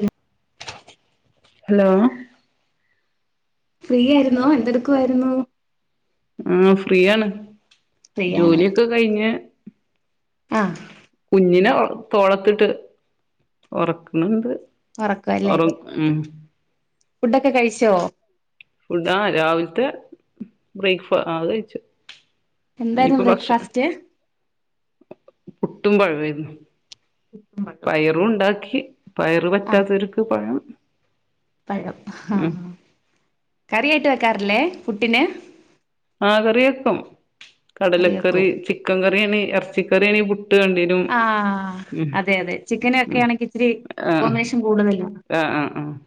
ഉം hello free ആയിരുന്നോ എന്തെടുക്കുവായിരുന്നു? ഉം ഫ്രീയാണ് ഫ്രീ ആണ് ജോലിയൊക്കെ കഴിഞ്ഞ് ആഹ് കുഞ്ഞിനെ തോളത്തിട്ട് ഒറക്ക്‌ണ് ണ്ട് ഉറക്കല്ലേ ഒറോ ഉം ഫുഡൊക്കെ കയ്ച്ചോ? ഫുഡ്‌ ആ രാവിലത്തെ ബ്രേക്ക്ഫ ആ കഴിച്ചു. എന്താര്ന്നു ഇനിയിപ്പോ ഭക്ഷ ബ്രേക്ക്ഫാസ്റ്റ്? പുട്ടും പയെര്ന്നു പുട്ടും പഴം പയറും ണ്ടാക്കി. പയറ് ആഹ് പറ്റാത്തവര്ക്ക് പഴം. പഴം ആ ഉം കറിയായിട്ട് വെക്കാറില്ലേ പുട്ടിന്. അ കാറിവെക്കും കറി കടലക്കറി വെക്കും ചിക്കൻ ക്കാറിയാണി എർച്ചിക്കാറിയാണി പുട്ട് വേണ്ടിവരും ആ ഉം അതെ അതെ ഉം ചിക്കനോക്കെയാണെകിൽ ഇച്ചരി കോമ്പിയെഷൻ കൂടുതല്ല. ആ ആ.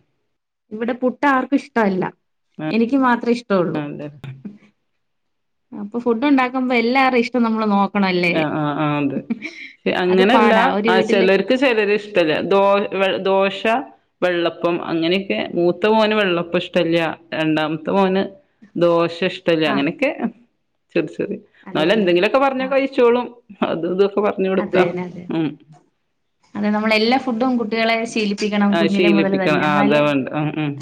ഇവിടെ പുട്ട് ആർക്കും ഇഷ്ട്ടവല്ല എനിക്ക് മാത്രം ഇഷ് ആ ല്ലേ. അപ്പൊ ഫുഡ് ഉണ്ടാക്കുമ്പോ എല്ലാരിം ഇഷ്ടം നമ്മള് നോക്കണല്ലേ. അത് അങ്ങനെല്ല പാടാ ഒരു ആ വീട്ടില് ചിലർക്ക് ചിലര് ഇഷ്ടല്ലാദോ - ശ, വെള്ളപ്പം അങ്ങനെയക്കെ മൂത്തമോന് വെള്ളപ്പം ഇഷ്ടല്ല രണ്ടാമത്തെ മോന് ദോശ ഇഷ്ടല്ല ആഹ് അങ്ങനെക്കെ അ ന്നാലു അതെല്ലേ എന്തെങ്കിലൊക്കെ പറഞ്ഞകഴി അത് ദ് അതന്നെ അതെ അതെ നമ്മൾ എല്ലാ ഫുഡും കുട്ടികളെ ശീ ക്കണം ആ കുഞ്ഞിലെ മുതൽ ശീലിപ്പിക്കണം തന്നെ ആ ന്നാൽ അതാ വേണ്ട ഉം ഉം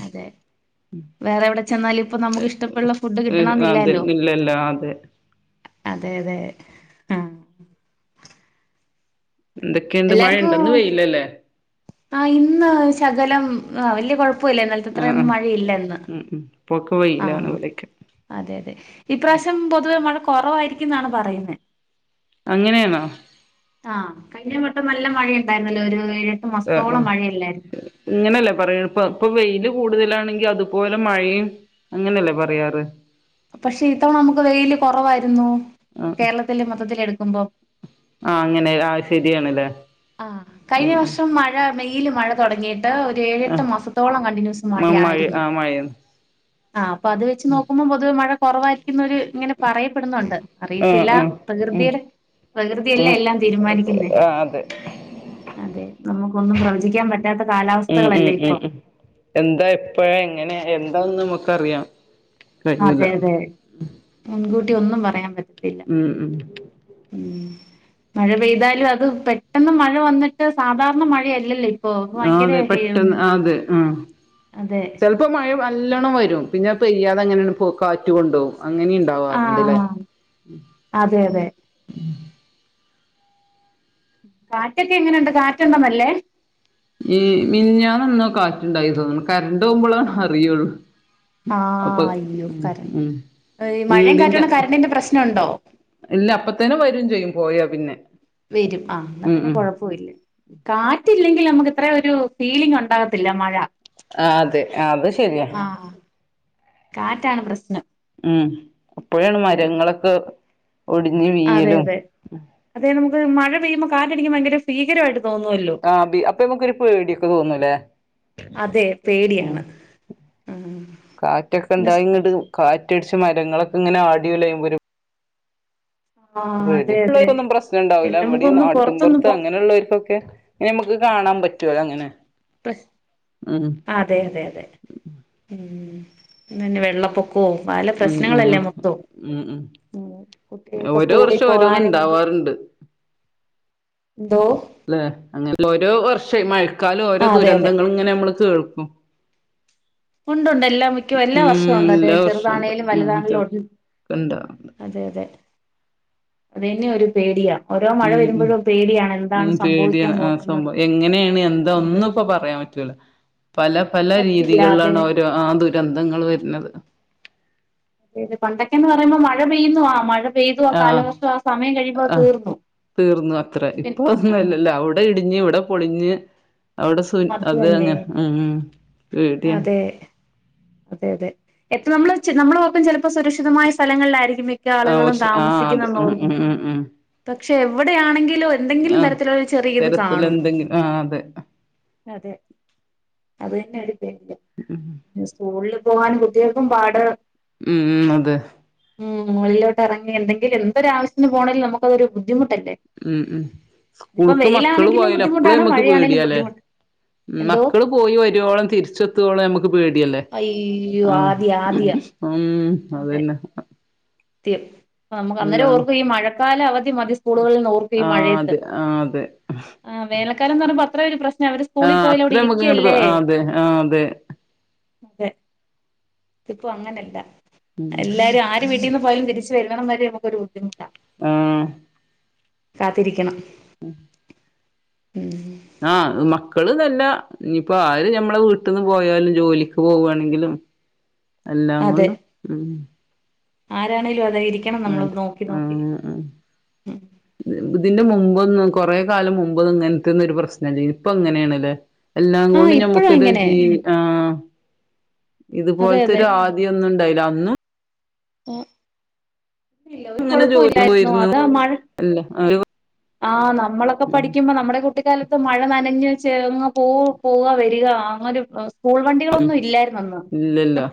വേറെവിടെ ചെന്നാൽ ഇപ്പ നമുക്ക് ഇഷ്ടപ്പെുള്ള ഫുഡ് അതെ കിട്ടണമെന്നില്ലെലോ ഇല്ലല്ല അതെ അതെ അതെ ആ. എന്തൊക്കെയുണ്ട് മഴ ഉണ്ടോ എല്ലാർക്കും ഇന്ന് വെയിലല്ലേ ആ ഇന്ന് ശകലം അ വല്ല്യ കുഴപ്പ ഇന്നലത്തെ അ ആഹ് ത്രയൊന്നും ആഹ് മഴയില്ലെന്ന്. ഉം ഉം ഇപ്പൊക്കെ ആ വെയിലാണ് ഇവിടെയൊക്കെ അതെ തെ ഈപ്രാവശ്യം പൊതുവെ മഴ കൊ കൊറവായിരിക്കും എന്നാണ് പറയുന്നെ. അങ്ങനെണോ. ആ കഴിഞ്ഞ വട്ടം നല്ല മഴ ഇണ്ടായിര് ന്നല്ലോ ഒരു ഏഴെട്ട് ആ ആ മാസത്തോളം മഴയില്ലായിരുന്നു ഇങ്ങനെയല്ലേ പറയ പ്പ ഇപ്പൊ വെയില് കൂടുതലാണെങ്കി അതുപോലെ മഴയും അങ്ങനെയല്ലേ പറയാറ് പക്ഷെ ഇത്തവണ അമ്മ്ക്ക് വെയില് കൊറവാ ആ കേരളത്തിൽ ന്മൊത്തത്തിൽ എടുക്കുമ്പോ ആ അങ്ങനെ ആ ശരിയാണല്ലേ ആ കഴിഞ്ഞ ഉം വർഷം മഴ മെയില് മഴ തോടങ്ങി [unintelligible] ഒര് ഉം ഏഴെട്ട് മാസത്തോളം കണ്ടിന്യൂസ് ആ മഴ മഴായിരുന്നു ആ മഴയും ആ അപ്പൊ അത് വെച്ച് നോക്കുമ്പോ പൊതുവെ മഴ കുറവായിരിക്കുന്നൊരു ഇങ്ങനെ പറയപ്പെടുന്നുണ്ട് ആ അറിയത്തില്ല ആ ഉം പ്രകൃതി - പ്രകൃതിയല്ലേ ഉം എല്ലാം തീരുമാനിക്കുന്നേ. ആ അതെ അതെ നമുക്കൊന്നും പ്രവചിക്കാൻ പറ്റ എ എ എ എ എന്താ എപ്പഴ എങ്ങനെ എന്താന്ന് നമുക്ക് അറിയാം. അതെ അതെ മുൻകൂട്ടി ഒന്നും പറ ഉം ഉ ഉം മഴ പെയ്താലും അത് പെട്ടെന്ന് മഴ വന്നിട്ട് സാധാരണ മഴയല്ലല്ലിത് ആ അതെ പെട്ടെന്ന് അതെ ആ അതെ ചെലപ്പോ മഴ നല്ലോണം വരും പിന്നെ പെയ്യാതെങ്ങനണ് പോ കാറ്റ് കൊണ്ടോകും. അങ്ങനിം ണ്ടവർണ്ട് ലെ ആഹ് അതെ അതെ കാറ്റൊക്കെങ്ങനെയിണ്ട് കാറ്റ് ണ്ടോന്നല്ലേ. ഈ മിഞാന്ന് ന്നോ കാറ്റുണ്ടായി തോന്നുന്നു കരണ്ട് പോകുമ്പോള അറിയുള്ളു. ആ അയ്യോ ഇ മയ്യേം വീടിന്റെ കാറ്റുന്ന കരണ്ടിന്റെ പ്രശ്നണ്ടോ? ഇല്ല അപ്പത്തേനെ വരും ചെയ്യും പോയ വരും ആ ന്നാ പിന്നെ കൊഴപ്പില്ല കാറ്റില്ലെങ്കി നമുക്ക് ഇത്രൊ ഒരു ഫീലിംഗ് ഉണ്ടാകത്തില്ല മഴ. ആ അതെ അത് ശരിയാ. ആഹ് കാറ്റാണ് പ്രശ്നം. ഉം അപ്പോഴാണ് അതെ അതെ മരങ്ങളൊക്കെ ഒടിഞ്ഞ് അതെ വീയലും അതെ അതെ നമുക്ക് മഴ പെയ്യുമ്പോ കാറ്റടിക്കുമ്പം എനിക്ക് ഭയങ്കര ഭീകരമായിട് ആ ബ അപ്പൊമുക്കരു പേടിയൊക്കെ തോന്നൂല്ലേ അതെ ഉ പേടിയാണ് ഉം കാറ്റൊക്കെ ഇണ്ടായിങ്ങട്ട കാറ്റടിച്ച മരങ്ങളൊക്കെ ഇങ്ങനെആ ഡിലയുമ്പോൾഒരു ആഹ് അതെ അതെ ള്ളവർക്കൊന്നും പ്രശ്നം ഉണ്ടാവൂല്ല എല്ലാം അവിടെയും നമുക്കൊന്ന് പുറത്തൊന്നും നാട്ടുംപുറത്ത് പോ അങ്ങനെ ഉള്ളവർക്കൊക്കെ ഇ നമുക്ക് കാണാൻ പറ്റുവല്ലോ അങ്ങനെ ഉം അതെ അതെ അതെ ഉം വെള്ളപൊക്കോ പല ഉം ഉം പ്രശ്നങ്ങളല്ലേ മൊത്തം ഉം ഉം ഓരോ കുട്ടികൾസ്കൂളിൽ വർഷം ഓരോന്ന് പോവാനും ഇണ്ടാവാറുണ്ട് എന്തോ അല്ലെ അങ്ങന ഓരോ വർഷം മഴക്കാലം ആ ഓരോ അതെ അതെ ദുരന്തങ്ങളും ഇങ്ങനെ നമ്മള് കേൾക്കും ഉണ്ടുണ്ട് എല്ലാ മിക്കും എല്ലാ ഉം വർഷവും ഉണ്ട് അതെ എല്ലാ ചെറുതാണേലും വർഷംണ്ട് വലുതാണേലും ഉണ്ട് കണ്ട അതെ അതെ അതന്നെ ഒരു പേടിയാ ഓരോ മഴ ഉം ഉ വരുമ്പോഴും പേടിയാണ് എന്താണ് ഉ പേടിയാ സംഭവിക്കാൻ ആ പോകുന്നതെന്ന് സംഭവം എങ്ങനെയാണ് എന്താ അതെ ഒന്നും ഇപ്പ പറയാൻ പറ്റ റ്റൂലാ പല പല പറ്റില്ല അതെ രീതികളിലാണ് ര ആ ദുരന്തങ്ങൾ വരുന്നത് അതെ അതെ പണ്ടൊക്കന്ന് പറയുമ്പോ മഴ പെയ്ന്നു ആ മഴ പെയ്തു ആ ആഹ് കാലവർഷം ആ സമയം കഴിയുമ്പോത് ആഹ് തീർന്നു തീർന്നു അത്ര പി ഇപ്പൊ ആ ഒന്നുംല്ലല്ല അവിടെ ഇടിഞ്ഞ് ഇവിടെ പൊളിഞ്ഞ് അവിടെ സു അത് അങ്ങെ ഉ പേടിയാ അതെ അതെ അതെ എപ്പം നമ്മള് നമ്മളെ നൊക്കം ചിലപ്പോ സുരക്ഷിതമായ സ്ഥലങ്ങളിലായിരിക്കും മിക്ക ആ ആളുകളും പക്ഷെ ആ അത് ഉം താമസിക്കണതും ഉം ഉം ഉം പക്ഷെ എവിടെയാണെങ്കി ആ എന്തെങ്കിലും തരത്തില ഒരു ചെറിയ ഇത് തരത്തില് കാണും എന്തെങ്കിലും ആ അതെ അതെ അത്തന്നെ അടു ഉം സ്കൂളിൽ പോകാൻ കുട്ടികക്കും പാട് ഉം അതെ ഉ്മെള്ളിലോട്ട് ഇറങ്ങി എന്തെങ്കില എന്തൊ ആവശ്യത്തിന് പോണെങ്ക നമുക്കൊരു ബുദ്ധിമു ഉം ഉം സ്കൂൾക്ക് മക്കള് വെയിലാണെങ്കിലും പോയാല അപ്പഴും ബുദ്ധിമുട്ടാണ് നമ്മക്ക് മഴയാണെങ്കിലും പേടിയാലേ ബുദ്ധിമുട്ട് എന്തോ മക്കള് പോയി വരുവോളം തിരിച്ചെത്തോളോ നമുക്ക് പേട ല്ലെആ അയ്യോ ആദ്യ ആദ്യ ഉ അതന്നെ തിർ നമുക്ക് അല്ലാ അന്നേരം ഓർക്കും ഈ മഴക്കാല അവധി മതി സ്കൂളുകളിൽ നിന്ന് ഓർക്ക ഈ ആ മഴയത്ത് അതെ ആ അതെ ആ് വേലക്കാരംന്ന് പറയ്പോ അത്രൊ ഒരു പ്രശ്നം അവര് ആ സ്കൂളിൽ അത്ര പോയലോടെ നമ്മക്ക് ഇങ്ങട്ട് ഇരിക്കല്ലേ ആ അതെ ആ അതെ അതെ ഇതിപ്പോൊഅങ്ങനെല്ല ഉം തിരിച്ച് വല്ലണം വരെ നമു ഒരു ബുദ്ധിമുട്ടാണ് ആ കാത്തിരിക്കണം ആ ഉം ആ മ മക്കള് നല്ല ഇയിപ്പോ ആര് ഞമ്മളെ വീട്ടിൽന്ന് പോയാലും ജോലിക്ക് പോവവായാണെങ്കിലും എല്ലാം അതെ കൊണ്ടും ഉം ആരാണേലും അ അതെ ആ ആ ഉം ഇതിറെ മുമ്പ് മ്പോന്നും ഇ കൊറേകാലം മുമ്പ് ഇങ്ങനത്തെന്ന ഒരു പ്രശ്നല്ലേനു ഇപ്പൊ എങ്ങനെയാണല്ലേ എല്ലാം ആ കൊണ്ടും ഇപ്പഴും ഞമ്മുക്കൊരു ഇങ്ങനെ ജീ ആ അതെ ഇതുപോലത്തെ അതെ ഒരു ആദ്യം ഒന്നും ഇണ്ടായില്ല അന്ന് ആ ഇല്ല ഒരു ഇങ്ങനെ കൊഴപ്പ ജോലിക്ക് ഇല്ലായിരുന്നു പോയിരുന്നു അതാ മഴ ആഹ നമ്മളൊക്കെ ഉം പഠിക്കുമ്പോ നമ്മുടെ കുട്ടിക്കാലത്ത് മഴ നനഞ്ഞു ചേർന്ന് പോ പോവ വരിക അങ്ങന സ്കൂൾ വണ്ടികളൊന്നും ഇല്ലായിരു ന്നന്ന് ഇല്ലല്ലോ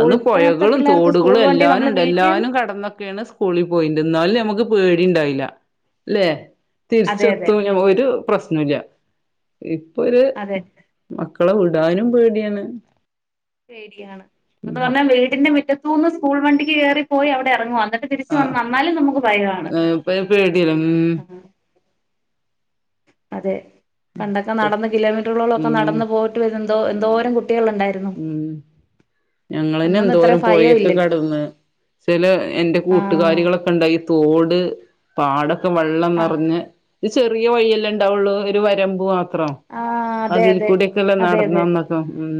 അന്ന് പൊഴകളും, തോടുകളും നമ്മള് എല്ലാനുംണ്ട് വീട്ടീന്ന് എല്ലാനും കടന്ന യാൾ സ്കൂളിൽ പോയിണ്ട്, എന്നാലും നമുക്ക് പേടിണ്ടായില്ല അല്ലെ? അതെ അതെ തിരിച്ചെത്തും ഞമ്മൊ ഒരു പ്രശ്നോല്ല. പ്പൊ ഒരു അതെ മക്കളെ താനും പേടിയാണ് പേടിയാണ്ന്ന് ഉം പറഞ്ഞാൽ, വീടിന്റെ മി റ്റത്തൂ ന്ന് സ്കൂൾ വണ്ടിക്ക് കയറിപ്പോയി അവിടെ ഇറങ്ങുവാ ന്നിട്ട് തിരിച് ആഹ് വന്ന്ന്നാലും നമുക്ക് ഭയാണ്. ഇപ്പൊ പേടിയല്ലേ ഉം അതെ. പണ്ടൊക്കെ ഇപ്പ നടന്ന് കിലോമീറ്ററുകളോളക്കെ ഉം നടന്ന് പോയിട്ട് വരുമ്പോ എന്തോ എന്തോരം കുട്ടി ഉം. ഞങ്ങളന്നെ അന്നൊന്നും ഇത്ര എന്തോരം ഭയം പൊയക്കെ ഇല്ലല്ലോ കടന്ന് ചില എന്റെ ആഹ് കൂട്ടുകാരികളൊക്കെ ഉണ്ടായി തോട് പാടൊക്കെ വെള്ളം ആഹ് നിറഞ്ഞ് ചെറിയ വയ്യല്ലേ ഇണ്ടാവോള്ളൂ ഒരു വരമ്പ് മാത്രം. ആഹ് അതെ അതിൽ അതെ കൂടെക്കല്ലേ നടന്ന് ന്നന്നൊക്കെ, ഉം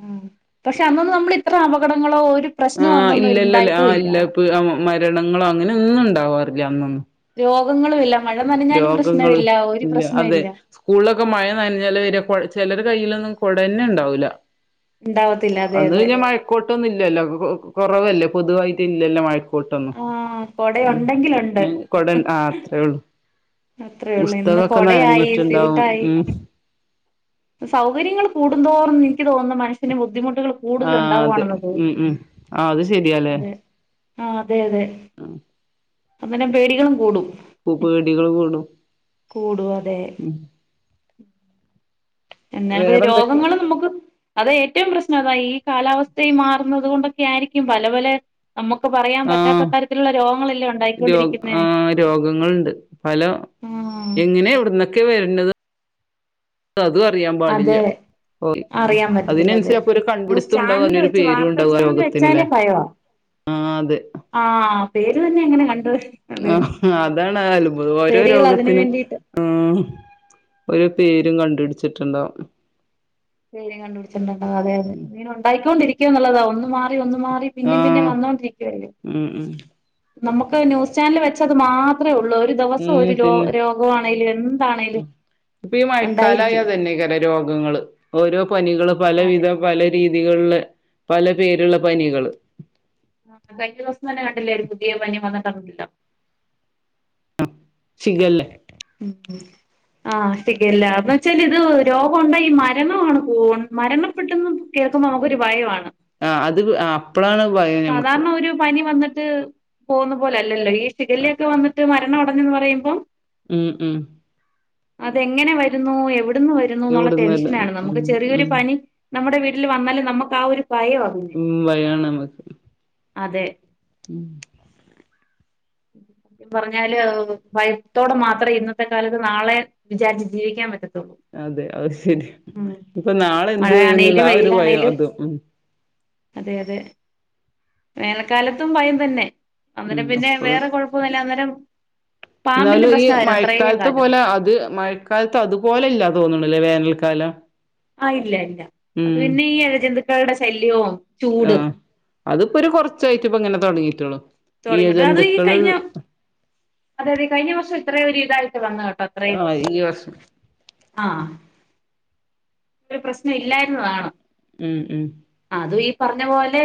ഉം. പക്ഷെ അന്നൊന്ന് നമ്മൾ ഇത്ര അപകടങ്ങളോ ഒരു പ്രശ്നോ ആഹ് ഇല്ല അന്നൊന്നും ഇല്ലല്ല ആ ഉണ്ടായിട്ടും ഇല്ല ഇപ്പ, മരണങ്ങളോ അങ്ങനെ ന്നും ണ്ടാവാറി ല്ല അന്നൊന്നും. രോഗങ്ങളും ഇല്ല. മഴ നനഞ്ഞാലും രോഗങ്ങള് പ്രശ്നമില്ല ഒരു ഇല്ല, അതെ പ്രശ്നമില്ല സ്കൂളിലൊക്കെ മഴ നനഞ്ഞല്ലെ വരാ കൊ ചെലരെ കയ്യിലൊന്നും കൊട ന്നെ ണ്ടാവൂല ഉണ്ടാവത്തില്ല അതെ അന്ന് അതെ പിന്നെ മഴക്കോട്ടൊന്നും ഇല്ലല്ലോ? കൊറവല്ലേ, പൊതുവായിട്ട് ഇല്ലല്ലോ മഴക്കോട്ട് കോട്ടൊന്നും. ആഹ് കൊട ഉണ്ടെങ്കിലുണ്ട് ഉം കൊടആ അത്രേ ഉള്ളു. അത്രയേ ഉള്ളൂ ഇന്ന് ബുസ്തകൊക്കെ കൊടയായി നനഞ്ഞിട്ടുണ്ടാവും, സ്യൂട്ടായി ഉം. സൗകര്യങ്ങൾ കൂടും തോറും എനിക്ക് തോന്നുന്നു, മനസ്സിന് ബുദ്ധിമുട്ട് ആ കൂടുതൽ അതെ ഉണ്ടാവാണെന്ന ഉം തോന്നുന്നത്. ഉം ആ അത് ശരിയാല്ലേ അതെ ആ അതെ അതെ അങ്ങനെ പേടികളും കൂടും. പ്പൊ പേടികൾ കൂടും. കൂടും അതെ. ഉം എന്നാലും വേറെന്തൊക്കെ രോഗങ്ങള് നമുക്ക് അത ഏ ഏറ്റവും പ്രശ്നം അതാ. ഈ കാലാവസ്ഥയി മാറുന്നത് കൊണ്ടൊക്കെ ആയിരിക്കും പല പല നമുക്ക് പറയാൻ പറ്റാത്ത ആഹ് തരത്തിലുള്ള രോഗങ്ങളല്ലേ ര ഉണ്ടായിക്കൊണ്ടിരിക്കുന്നേ ആഹ രോഗങ്ങൾണ്ട് പല ആ എങ്ങനെ, എവിടന്നൊക്കെ വര്ണത് അതും അറിയാൻ പാടില്ല അതെ പോയി മ്. അറിയാൻ പറ്റത്തില്ല അതെ അതിനനുസരിച്ച് അപ്പൊ ഒരു ന്യൂസ് കൺപിടിത്തം ണ്ടാവും, ചാനല് അതിനൊരു വെച്ച് പേരു ണ്ടാവും രോകത്തിന് ല്ലേ? ആഹ് പേര് തന്നെ അങ്ങനെ കണ്ട ആഹ് അതാണ് അത്ഭുദ ഓരോ പേരുകൾ അതിന് രോഗത്തിനും വേണ്ടിട്ട് ആ ഒരു പേരും കണ്ടുട്ച്ചിട്ടുണ്ടാവും. പേര് കണ്ടു പിടിച്ചിട്ടു ണ്ടാവും. അതെ അതെ ങ്ങനെ ഉണ്ടായി കൊണ്ടിരിക്കും, ന്നുള്ളതാ ഒന്ന് മ ഒന്നു മാറി. പിന്നേം, പിന്നെ ആഹ് വന്നോണ്ടിരിക്കുവല്ലേ? ഉം ഉം നമുക്ക് ന്യൂസ് ചാനൽ വെച്ചാ ത് മാത്രമേ ഉള്ളൂ ഒരു ദിവസം ഉം ഒരു രോ പിന്നെ രോഗമാണേലും എന്താണേലും. ഇപ്പൊ ഈ ഉണ്ടായിരിക്കും മഴക്കാലായ ഇതന്നെ കാരം രോഗങ്ങള് ഓരോ പനികള് അതെ പലവിധം, പല രീതികളില് പല പേര്ള്ള പനികള് ആ കഴിഞ്ഞ ദിവസം തന്നെ കണ്ടില്ലേ? ഒരു പുതിയ പനി വന്നിട്ടൊന്നണ്ടല്ലോ. ഷിഖല്ലേ? ഉം ആഹ ശിഖല്ല എന്ന് വെച്ചാല് ഇത് രോഗണ്ടായിഈ മരണമാണ് മരണപ്പെെട്ടെന്ന് കേ നമുക്ക് ഒരു ഭയമാണ്. ആഹ് അത് അപ്പഴാണ് ഭയം ഞമ്മക്ക്. ട്ട് പോകുന്ന പോലെ അല്ലല്ലോ? ഈ ശിഖ ല്ല യൊക്കെ വന്നിട്ട് മരണമടഞ്ഞന്ന് പറയുമ്പോം? ഉം ഉ അതെങ്ങനെ വരുന്നു? എവിടന്ന് വരുന്നു? എന്നുള്ള ഇവിടുന്നല്ല ടെൻഷനാണ് ഉം നമുക്ക്. ചെറിയൊരു ഉം പനി നമ്മുടെ വീട്ടിൽ വന്നാലും നമുക്ക് ആ ഒരു ഭയവാ പിന്നെ. ഉം വയാണ് നമ്മക്ക് അതെ ഉം [inaudible] പർഞ്ഞാല് ഹ് ഭയത്തോടെ മാത്രേ ഇന്നത്തെ കാലത്ത് നാളെ വിചാരിച്ച് ജീവിക്കാപറ്റതൊള്ളൂ അതെ അഹ് ശരിയ ഇപ്പൊ നാളെന്ത് വരുന്നുള്ള മഴയാണേലും ആരു ഭയം വെയിലാണേലും അതും ഉണ്ട് അതെ അതെ വേനൽക്കാലത്തും ഭയം തന്നെ ഉം അന്നെരം പിന്നെ വേറെ കൊഴപ്പൊന്നുല്ല അന്നേരം പാമ്പിന്റെ ന്നാലും ഈ പ്രശ്നമായിരുന്നു അത്രയും മഴക്കാലത്ത് കാലം. പോലെ അത് മഴക്കാലത്ത് അതുപോലെ ഇല്ല തോന്ന്ണ്ല്ലേ വേനൽകാലത്ത് കാലം ആ ഇല്ല ഇല്ല അത് പിന്നെ ഈ ഇയ ജന്തുക്കളുടെ ശല്യവും ആ ചൂടും അതിപ്പോ ഒരു കുറച്ചായിട്ട് ഇപ്പോങ്ങനെ തുടങ്ങിറ ഇയ തുടങ്ങിയിട്ട് അത് ഈ ജന്തുക്കൾ കഴിഞ്ഞ അതെ അതെ കഴിഞ്ഞവർഷ ഇത്രയു ഒരു ഇതായിട്ട് വന്നകേട്ടോ അത്രയും ആഹ് ഈ വർഷം ആഹ ര് പ്രശ്നല്ല താണ് ഉം ഉം അത് പിന്നെ പറഞ്ഞ പോലെ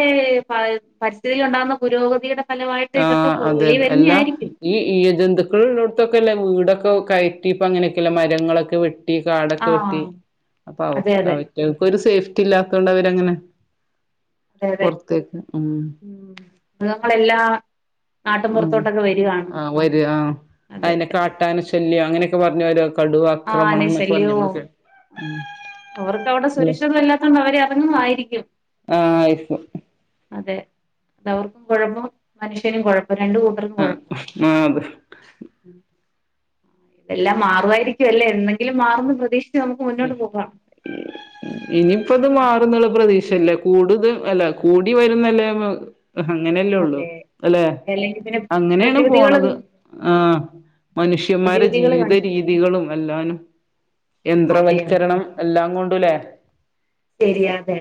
പരിസ്ഥിതിൽ ഉണ്ടാകുന്ന പുരോഗതിയുടെ ഫലമായിട്ട് ഇതൊക്കെ ആഹ അതെ വെളി അതെ അല്ലാ വരുന്നയായിരിക്കും ഈ ഈയ ജന്തുക്കൾ ഉള്ളട് ത്തൊക്കെ അല്ലെ വീടൊക്കെ കയറ്റി ഇപ്പോ അങ്ങനൊക്കല്ലേ മരങ്ങളൊക്കെ വെട്ടി മരം വെട്ടി കാടൊക്കെ വെട്ടി ആഹ് പാവം അതെ അതെ അവറ്റൾക്കൊരു സേഫ്റ്റി സേഫ്റ്റി ഇല്ലാത്തോണ്ട് അങ്ങനെ അതെ അതെ ജന്തുകളെല്ലാം ഉം ആ വരുവാ അതെ അതിനു ശല്ലിയം അതെ കാട്ടാനഅങ്ങനെക്കെ പറഞ്ഞു ഓരോ കടുവക്രമണം ന്നൊക്കെ പറഞ്ഞു നമ്മൾ കേൾക്കുന്നത് അവർക്കവിടെ സുരക്ഷിതം ഇല്ലാത്തത് കൊണ്ട് അവര് ഇറങ്ങി വരുന്നതാവും ഹ ആയിര്ക്കും അതെ അതു അവർക്കും കുഴപ്പം മനുഷ്യനും കുഴപ്പം അപ്പൊ രണ്ട് ആഹ് കൂട്ടർക്കുഴപ്പം ആഹ് അത് എല്ലാം മാറുവായിരിക്കും അല്ലേ എന്നെങ്കിലും മാറുന്ന് പ്രതീക്ഷ ഉ ഇനിയിപ്പോ ത് മാറും എന്ന് പ്രതീക്ഷ ശല്ലിയം കൂടതൽ കൂടി വരുന്നല്ലോ അങ്ങനെയല്ലേ ഉള്ളു അതെ അല്ലെ അല്ലെങ്കിൽ പിന്നെ അങ്ങനെണ് പ്രതിവിധികള് പോണത് പിന്നെ ആ അതെ മനുഷ്യന്മാരെ പ്രതിവിധികൾ ജീവിത കണ്ടെത്തും രീതികളും എല്ലാം അതെ യന്ത്രവൽക്കരണം എല്ലാം കൊണ്ടും അല്ലെ ശരിയാതെ